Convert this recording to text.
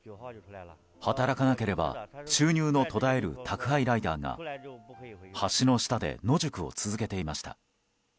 働かなければ収入の途絶える宅配ライダーが橋の下で野宿を続けていました。